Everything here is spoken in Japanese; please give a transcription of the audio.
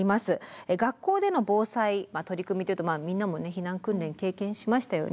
学校での防災取り組みというとみんなもね避難訓練経験しましたよね？